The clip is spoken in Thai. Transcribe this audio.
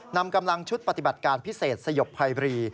นำกำลังชุดปฏิบัติการพิเศษสยบภัยบรี